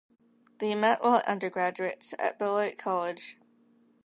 They met while undergraduates at Beloit College.